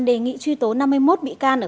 đề nghị truy tố năm mươi một bị can